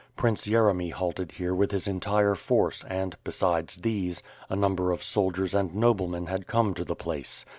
Prince Yeremy halted here with his entire force and, besides these, a number of soldiers and noblemen had come to the place.